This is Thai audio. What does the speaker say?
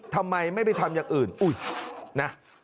ทำไมไม่ไปทำอย่างอื่นนะ